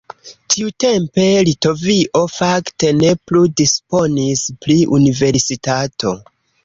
Tiutempe Litovio fakte ne plu disponis pri universitato.